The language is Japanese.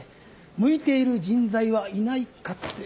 向いている人材はいないかって。